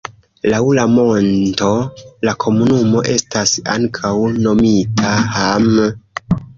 Laŭ la monto la komunumo estas ankaŭ nomita Hamm.